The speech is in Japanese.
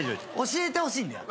教えてほしいんだよ。